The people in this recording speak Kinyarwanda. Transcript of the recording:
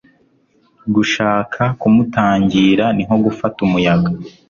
gushaka kumutangira ni nko gufata umuyaga